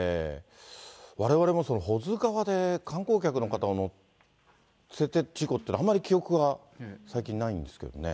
われわれも保津川で観光客の方を乗せた事故っていうのは、あまり記憶が最近ないんですけどね。